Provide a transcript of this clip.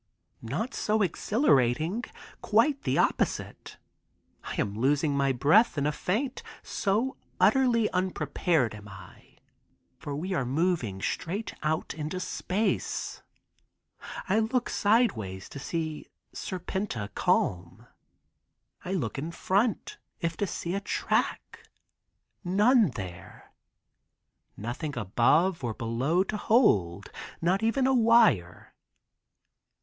Not so exhilarating, quite the opposite. I am losing my breath in a faint, so utterly unprepared am I, for we are moving straight out into space. I look sideways to see Serpenta calm. I look in front, if to see a track, none there. Nothing above or below to hold, not even a wire.